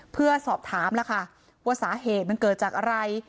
เพื่อสอบถามแล้วค่ะว่าสาเหตุมันเกิดจากอะไร